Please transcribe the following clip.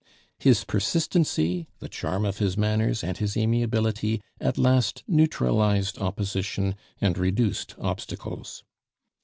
His persistency, the charm of his manners, and his amiability, at last neutralized opposition and reduced obstacles.